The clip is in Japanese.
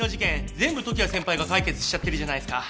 全部時矢先輩が解決しちゃってるじゃないですか。